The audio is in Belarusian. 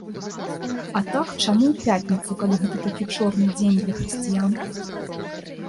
А так, чаму ў пятніцу, калі гэта такі чорны дзень для хрысціян?